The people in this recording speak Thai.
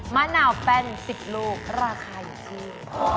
มะนาวแป้น๑๐ลูกราคาอยู่ที่